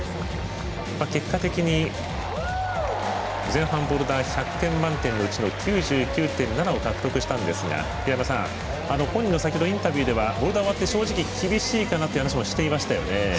結果的に、前半ボルダー、１００点満点のうち９９．７を獲得したんですが平山さん本人のインタビューでは正直、厳しいかなという話もしていましたよね。